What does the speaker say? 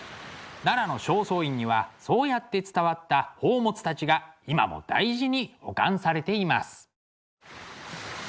奈良の正倉院にはそうやって伝わった宝物たちが今も大事に保管されています。